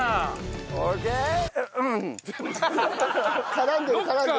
絡んでる絡んでる。